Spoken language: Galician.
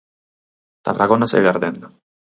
Tarragona segue ardendo.